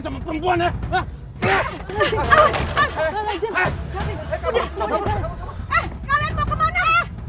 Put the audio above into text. kalian berkenan sama perempuan ya